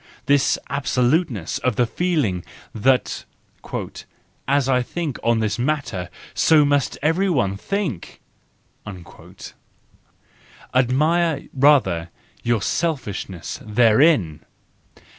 This absoluteness of the feeling that " as I think on this matter, so must everyone think"? Admire rather your selfishness therein!